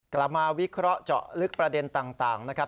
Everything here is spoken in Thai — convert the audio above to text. วิเคราะห์เจาะลึกประเด็นต่างนะครับ